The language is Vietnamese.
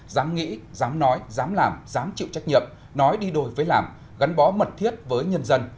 dám nghĩ dám nói dám làm dám chịu trách nhiệm nói đi đôi với làm gắn bó mật thiết với nhân dân